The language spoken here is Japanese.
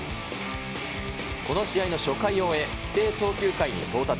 この試合の初回を終え、規定投球回に到達。